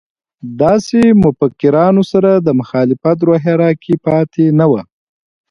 داسې مفکرانو سره د مخالفت روحیه راکې پاتې نه وه.